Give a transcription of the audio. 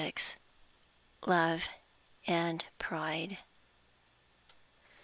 LOVE AND PRIDE.